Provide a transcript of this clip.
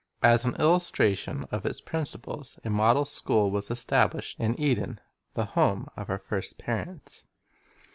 As an illustration of its principles a model school was established in Eden, the home of our first parents.